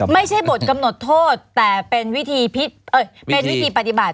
ไม่ใช่บทกำหนดโทษแต่เป็นวิธีปฏิบัติ